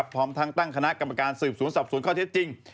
พร้อมทั้งตั้งคณะกรรมการสืบสวนสอบสวนข้อเท็จจริง